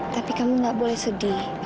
tapi kamu nggak boleh sedih